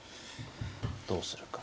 どうするか。